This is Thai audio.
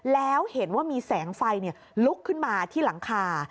แล้วเห็นว่ามีแสงไฟลุกขึ้นมาที่หลังคา